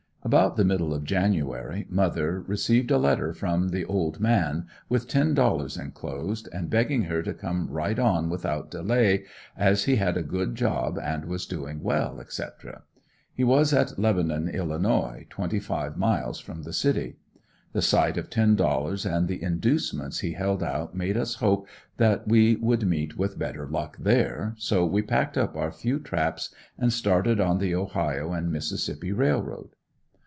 About the middle of January mother received a letter from the "old man," with ten dollars enclosed, and begging her to come right on without delay as he had a good job and was doing well, etc. He was at Lebanon, Ill., twenty five miles from the city. The sight of ten dollars and the inducements he held out made us hope that we would meet with better luck there, so we packed up our few traps and started on the Ohio and Mississippi railroad.